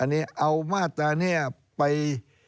อันนี้เอามาตรานี้ไป